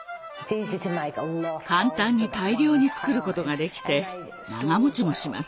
簡単に大量に作ることができて長持ちもします。